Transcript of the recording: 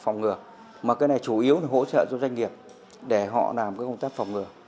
phòng ngừa mà cái này chủ yếu là hỗ trợ cho doanh nghiệp để họ làm cái công tác phòng ngừa